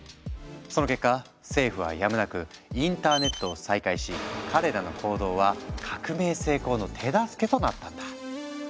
その結果政府はやむなくインターネットを再開し彼らの行動は革命成功の手助けとなったんだ。